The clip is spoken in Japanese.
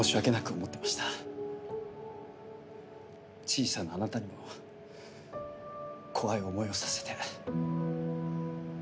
小さなあなたにも怖い思いをさせて。